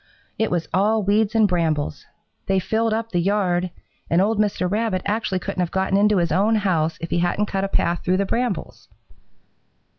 It was all weeds and brambles. They filled up the yard, and old Mr. Rabbit actually couldn't have gotten into his own house if he hadn't cut a path through the brambles.